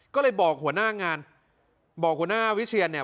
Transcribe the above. ก็เลยบอกหัวหน้างานบอกหัวหน้าวิเชียนเนี่ย